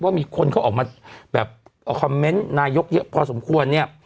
ว่ามีคนเขาออกมันแบบคอมเม้นท์นายกลบอย่างพอสมควรเนี่ย